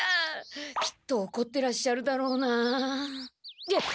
きっとおこってらっしゃるだろうな。